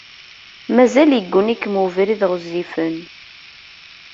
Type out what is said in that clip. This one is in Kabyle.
Mazal yegguni-kem ubrid ɣezzifen.